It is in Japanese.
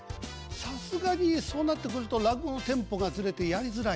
さすがにそうなってくると落語のテンポがずれてやりづらい。